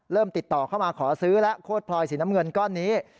ติดต่อเข้ามาขอซื้อแล้วโคตรพลอยสีน้ำเงินก้อนนี้